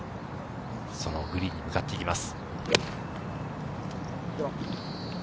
そのグリーンに向かっていきます。